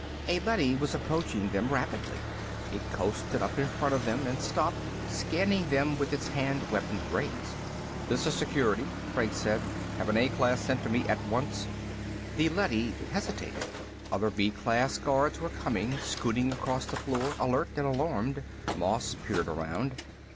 A leady was approaching them rapidly. It coasted up in front of them and stopped, scanning them with its hand weapon raised. "This is Security," Franks said. "Have an A class sent to me at once." The leady hesitated. Other B class guards were coming, scooting across the floor, alert and alarmed. Moss peered around.